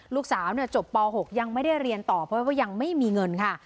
ลูกสาวจบป๖ยังไม่ได้เรียนต่อเพราะว่ายังไม่มีเงินค่ะ